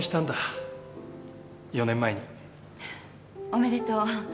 おめでとう。